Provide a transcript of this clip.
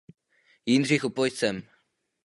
Jindřichu, pojď sem!